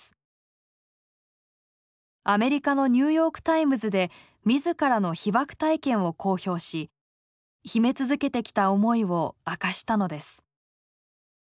アメリカの「ニューヨーク・タイムズ」で自らの被爆体験を公表し秘め続けてきた思いを明かしたのです。